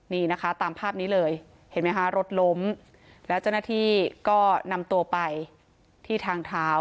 นี่นะคะตามภาพนี้เลยเห็นไหมคะรถล้มแล้วเจ้าหน้าที่ก็นำตัวไปที่ทางเท้า